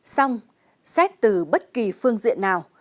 xong xét từ bất kỳ phương diện nào